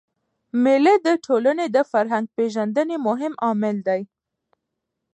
مېلې د ټولني د فرهنګ پېژندني مهم عامل دئ.